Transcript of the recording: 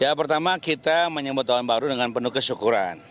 ya pertama kita menyebut tahun baru dengan penuh kesyukuran